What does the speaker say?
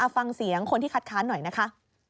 ฟังเสียงคนที่คัดค้านหน่อยนะคะ